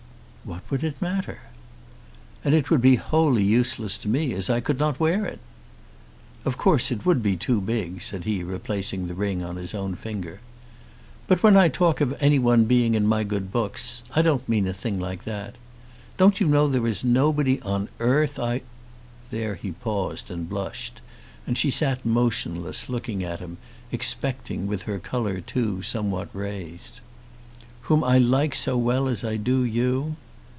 "What would it matter?" "And it would be wholly useless to me, as I could not wear it." "Of course it would be too big," said he, replacing the ring on his own finger. "But when I talk of any one being in my good books, I don't mean a thing like that. Don't you know there is nobody on earth I " there he paused and blushed, and she sat motionless, looking at him expecting, with her colour too somewhat raised, "whom I like so well as I do you?"